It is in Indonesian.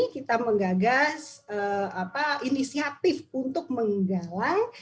kita menggagas inisiatif untuk menggalang